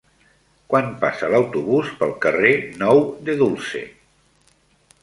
Quan passa l'autobús pel carrer Nou de Dulce?